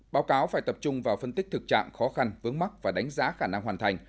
báo cáo phải tập trung vào phân tích thực trạng khó khăn vướng mắt và đánh giá khả năng hoàn thành